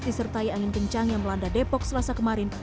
disertai angin kencang yang melanda depok selasa kemarin